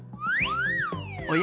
おや？